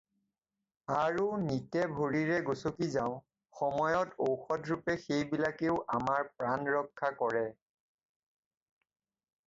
আৰু নিতে ভৰিৰে গচকি যাওঁ সময়ত ঔষধৰূপে সেই বিলাকেও আমাৰ প্ৰাণৰক্ষা কৰে।